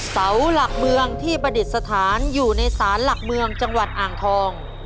เสาหลักเมืองที่ประดิษฐานอยู่ในศาลหลักเมืองจังหวัดอ่างทอง